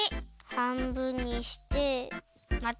はんぶんにしてまたはんぶん！